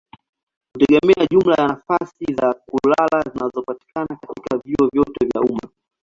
hutegemea jumla ya nafasi za kulala zinazopatikana katika vyuo vyote vya umma.